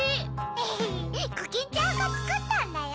エヘヘコキンちゃんがつくったんだよ。